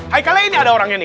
haikalnya ini ada orangnya nih